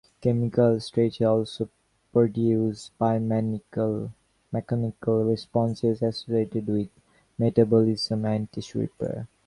Chemical stresses also produce biomechanical responses associated with metabolism and tissue repair.